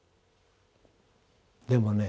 でもね